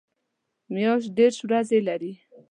میاشت دېرش ورځې لري